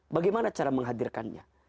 bagaimana cara menghadirkannya